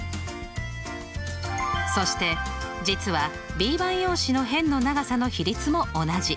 そして実はＢ判用紙の辺の長さの比率も同じ。